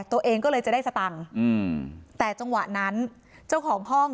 ตัวเองก็เลยจะได้สตังค์แต่จังหวะนั้นเจ้าของห้อง